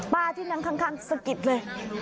ที่นั่งข้างสะกิดเลย